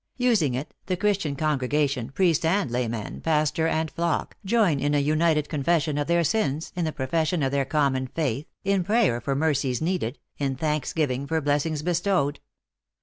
Using it, the Chris tian congregation, priest and layman, pastor and flock, join in an united confession of their sins, in the profes sion of their common faith, in prayer for mercies needed, in thanksgiving for blessings bestowed.